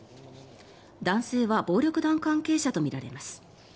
男性は暴力団関係者とみられます。